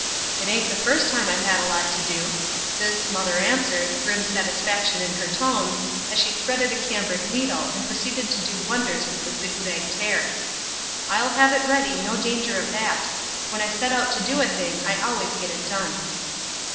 "It ain't the first time I've had a lot to do." This, mother answered, grim satisfaction in her tones, as she threaded a cambric needle, and proceeded to do wonders with the zigzag tear. "I'll have it ready ; no danger of that. When I set out to do a thing, I always get it done."